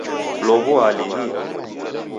Kulow'ua lihi?